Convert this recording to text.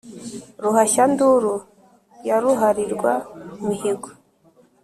ruhashyanduru ya ruharirwa mihigo,